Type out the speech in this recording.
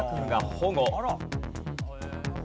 保護？